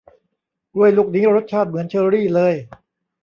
กล้วยลูกนี้รสชาติเหมือนเชอรี่เลย